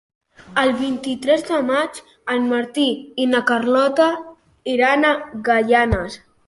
El vint-i-tres de maig en Martí i na Carlota iran a Gaianes.